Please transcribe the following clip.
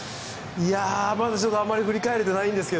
まだ、あまり振り返れてないんですが。